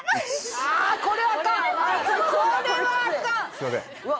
すいませんうわ